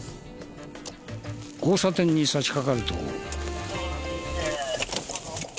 交差点に差し掛かると。